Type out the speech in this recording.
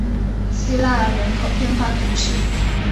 西拉尔人口变化图示